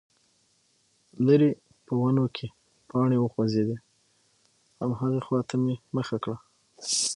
ليرې په ونو کې پاڼې وخوځېدې، هماغې خواته مې مخه کړه،